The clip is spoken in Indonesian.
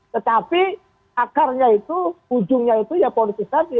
tetapi akarnya itu ujungnya itu ya politik